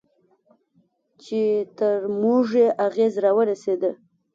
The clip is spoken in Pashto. چې تر موږ یې اغېز راورسېد.